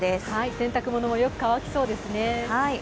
洗濯物もよく乾きそうですね。